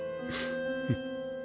フッ。